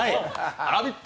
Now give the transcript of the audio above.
ラヴィット！